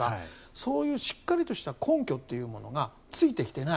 そういうしっかりした根拠というものがついてきていない。